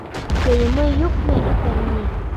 Кейеме юҡмы икән ни?